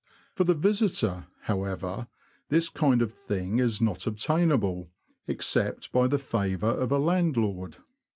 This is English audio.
For the visitor, however, this kind of thing is not obtainable, except by the favour of a landlord.